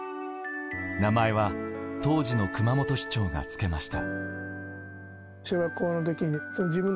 名前は当時の熊本市長がつけました。